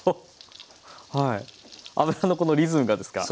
油のこのリズムがですか？